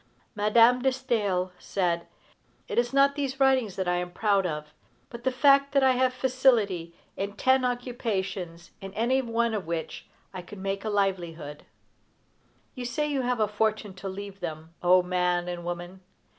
Madame de Staël said: "It is not these writings that I am proud of, but the fact that I have facility in ten occupations, in any one of which I could make a livelihood." You say you have a fortune to leave them. O man and woman!